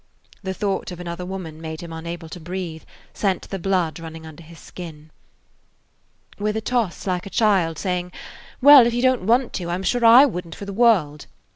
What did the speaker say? The thought of another woman made him unable to breathe, sent the blood running under his skin. With a toss, like a child saying, "Well, if you don't want to, I 'm sure I would n't for the world!"